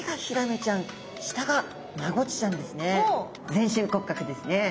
全身骨格ですね。